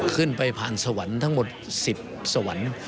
ขึ้นไปผ่านสวรรค์ทั้งหมด๑๐สวรรค์